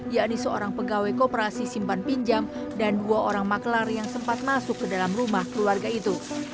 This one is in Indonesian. yakni seorang pegawai koperasi simpan pinjam dan dua orang maklar yang sempat masuk ke dalam rumah keluarga itu